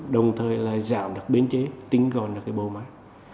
đồng thời giảm được biến chế tính gọn được bộ máy